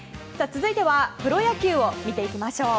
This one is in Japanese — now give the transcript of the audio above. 続いてはプロ野球を見ていきましょう。